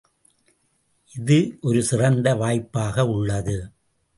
இது ஒரு சிறந்த வாய்ப்பாக உள்ளது.